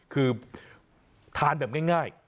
คือทานแบบง่าย